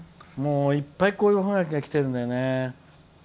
いっぱい、こういうおハガキがきてるんだよね。